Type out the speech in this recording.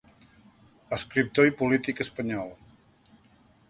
Escriptor i polític espanyol.